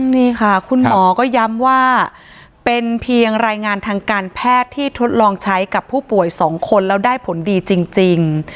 นี่ค่ะคุณหมอก็ย้ำว่าเป็นเพียงรายงานทางการแพทย์ที่ทดลองใช้กับผู้ป่วย๒คนแล้วได้ผลดีจริง